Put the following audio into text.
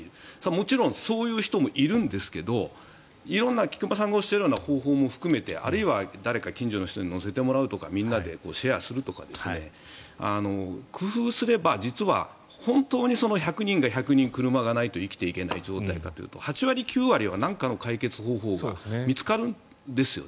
もちろんそういう人もいるんですが色んな菊間さんがおっしゃるような方法も含めてあるいは誰か近所の人に乗せてもらうとかみんなでシェアするとか工夫すれば実は、本当に１００人が１００人、車がないと生きていけない状態かというと８割、９割はなんかの解決方法が見つかるんですよね。